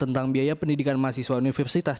tentang biaya pendidikan mahasiswa universitas